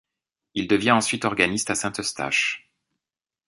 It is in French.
Il devient ensuite organiste à Saint-Eustache.